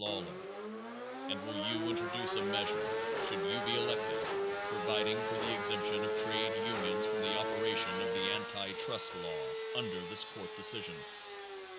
Lawler, and will you introduce a measure, should you be elected, providing for the exemption of trade unions from the operation of the anti trust law under this court decision?